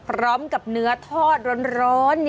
พร้อมกับเนื้อทอดร้อน